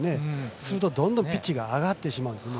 すると、どんどんピッチが上がってしまうんですね。